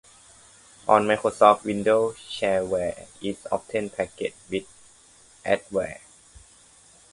On Microsoft Windows, shareware is often packaged with adware.